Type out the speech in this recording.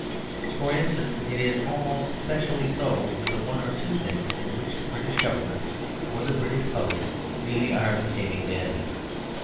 For instance, it is almost specially so with the one or two things in which the British Government, or the British public, really are behaving badly.